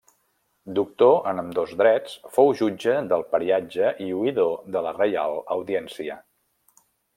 Doctor en ambdós drets, fou jutge del Pariatge i oïdor de la Reial Audiència.